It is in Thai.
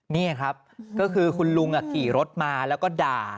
นี่ครับก็คือคุณลุงขี่รถมาแล้วก็ด่า